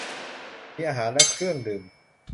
มีอาหารและเครื่องดื่ม